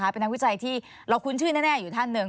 เป็นนักวิจัยที่เราคุ้นชื่อแน่อยู่ท่านหนึ่ง